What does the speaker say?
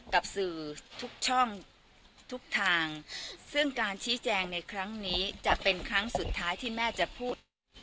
กับสื่อทุกช่องทุกทางซึ่งการชี้แจงในครั้งนี้จะเป็นครั้งสุดท้ายที่แม่จะพูด